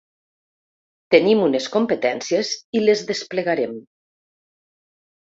Tenim unes competències i les desplegarem.